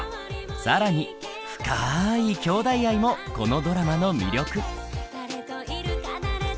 更に深いきょうだい愛もこのドラマの魅力。